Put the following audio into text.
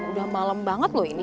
udah malem banget lo ini